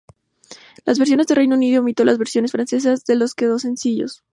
La versión del Reino Unido omitió las versiones francesas de los dos sencillos.